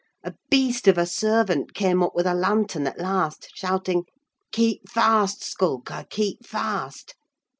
A beast of a servant came up with a lantern, at last, shouting—'Keep fast, Skulker, keep fast!